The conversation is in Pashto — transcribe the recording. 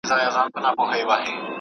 نه خولې کیږي.